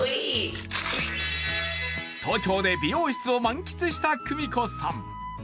東京で美容室を満喫した久美子さん。